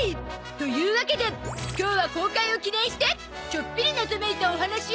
というわけで今日は公開を記念してちょっぴり謎めいたお話を２本！